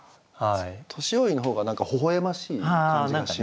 「年用意」の方が何かほほ笑ましい感じがしますね。